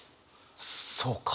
そうか。